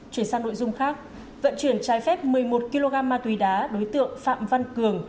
chuyển sang nội dung khác vận chuyển trái phép một mươi một kg ma túy đá đối tượng phạm văn cường